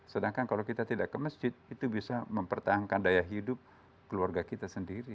sedangkan kalau kita tidak ke masjid itu bisa mempertahankan daya hidup keluarga kita sendiri